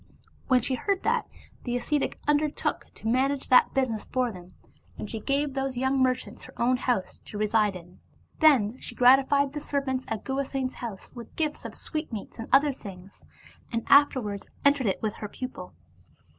When she heard that, the ascetic undertook to manage that busi 86 Devasmiid tiess for them, and she gave those young merchants her own house to reside in. Then she gratified the servants at Guhasena's house with gifts of sweetmeats and other things, and afterwards entered it with her pupil.